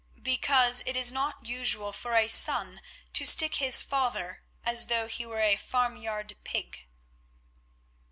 Because it is not usual for a son to stick his father as though he were a farmyard pig."